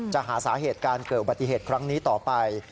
หาสาเหตุการเกิดอุบัติเหตุครั้งนี้ต่อไป